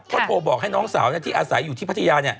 ก็โทรบอกให้น้องสาวที่อาศัยอยู่ที่พัทยา